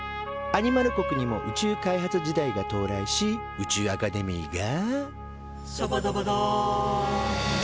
アニマル国にも宇宙開発時代が到来し宇宙アカデミーが「しゃばだばだ」と誕生。